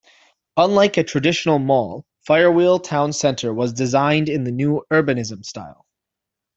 Unlike a traditional mall, Firewheel Town Center was designed in the new urbanism style.